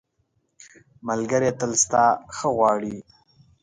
ملګری تل ستا ښه غواړي.